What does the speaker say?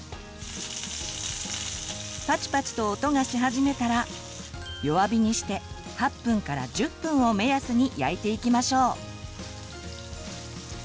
パチパチと音がし始めたら弱火にして８分１０分を目安に焼いていきましょう。